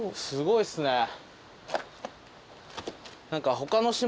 すごいっすね。